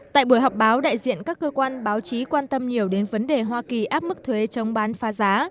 tại buổi họp báo đại diện các cơ quan báo chí quan tâm nhiều đến vấn đề hoa kỳ áp mức thuế chống bán phá giá